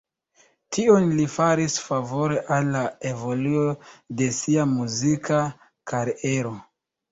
Tion li faris favore al la evoluo de sia muzika kariero.